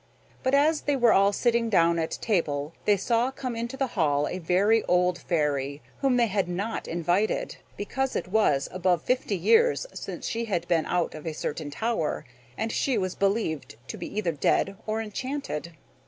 But as they were all sitting down at table they saw come into the hall a very old fairy, whom they had not invited, because it was above fifty years since she had been out of a certain tower, and she was believed to be either dead or enchanted.